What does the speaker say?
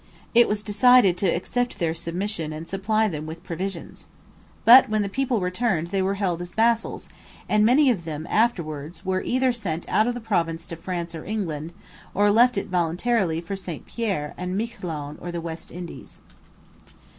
It was decided to accept their submission and supply them with provisions. But when the people returned they were held as vassals; and many of them afterwards were either sent out of the province to France or England, or left it voluntarily for St Pierre and Miquelon or the West Indies.